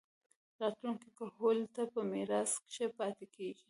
راتلونکي کهول ته پۀ ميراث کښې پاتې کيږي